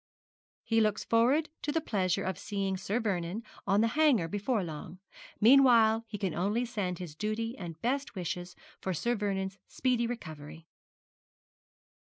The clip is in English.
'He looks forward to the pleasure of seeing Sir Vernon on the Hanger before long. Meanwhile he can only send his duty and best wishes for Sir Vernon's speedy recovery.'